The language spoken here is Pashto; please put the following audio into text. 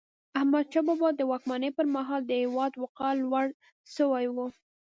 احمدشاه بابا د واکمني پر مهال د هیواد وقار لوړ سوی و.